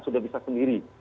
sudah bisa sendiri